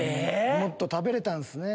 もっと食べれたんすね。